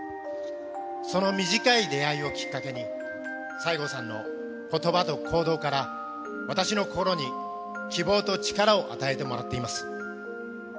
その短い出会いをきっかけに、西郷さんのことばと行動から、私の心に希望と力を与えてもらっています。